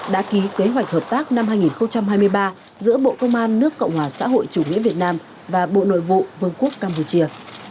đã ký kế hoạch hợp tác năm hai nghìn hai mươi ba giữa bộ công an nước cộng hòa xã hội chủ nghĩa việt nam và bộ nội vụ vương quốc campuchia